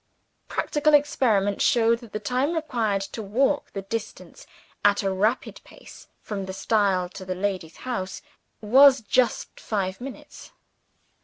Practical experiment showed that the time required to walk the distance, at a rapid pace, from the stile to the lady's house, was just five minutes.